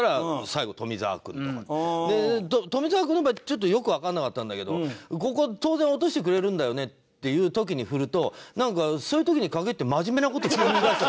で富澤君の場合ちょっとよくわかんなかったんだけどここ当然落としてくれるんだよねっていう時に振るとそういう時に限って真面目な事急に言いだしたり。